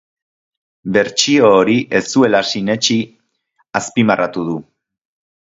Bertsio hori ez zuela sinetsi azpimarratu du.